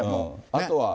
あとは。